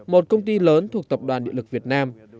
một công ty lớn thuộc tập đoàn địa lực việt nam